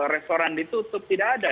restoran ditutup tidak ada